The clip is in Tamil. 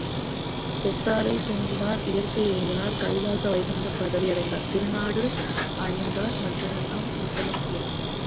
செத்தாரைத் துஞ்சினார் இயற்கை எய்தினார் கைலாச வைகுந்த பதவியடைந்தார் திருநாடு அணி செய்தார் என்றெல்லாம் கூறுவது மங்கலம்.